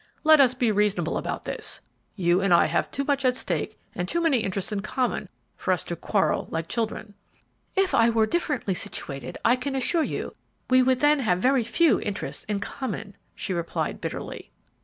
"Let us be reasonable about this; you and I have too much at stake and too many interests in common for us to quarrel like children." "If I were differently situated, I can assure you we would then have very few interests in common," she replied, bitterly.